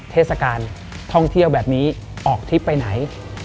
เทศกาลท่องเที่ยวแบบนี้ออกทริปไปไหน